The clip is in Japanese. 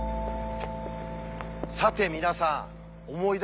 さて皆さん思い出して下さい。